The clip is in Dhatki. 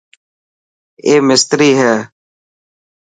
اي مستري هي.